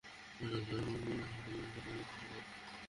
পরে জোর করে ঢোকার চেষ্টা করার অভিযোগে তাঁদের আটক করা হয়।